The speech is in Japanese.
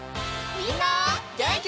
みんなげんき？